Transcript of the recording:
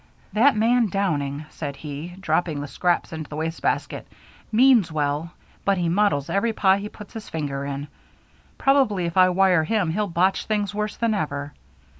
"That man Downing," said he, dropping the scraps into the waste basket, "means well, but he muddles every pie he puts his finger in. Probably if I wire him he'll botch things worse than ever.